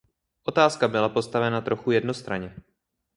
Otázka byla postavena trochu jednostranně.